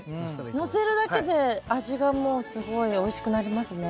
のせるだけで味がもうすごいおいしくなりますね。